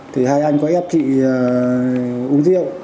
thì hai anh có ép chị uống rượu